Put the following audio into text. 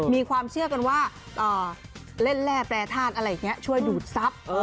มีความเชื่อกันว่าเล่นแร่แปรธาตุอะไรอย่างนี้ช่วยดูดทรัพย์